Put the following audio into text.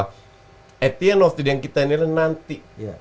pada akhirnya kita nanti